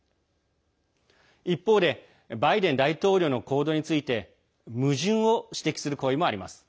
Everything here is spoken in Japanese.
一方で、バイデン大統領の行動について矛盾を指摘する声もあります。